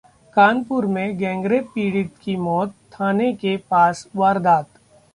कानपुर में गैंगरेप पीड़िता की मौत, थाने के पास वारदात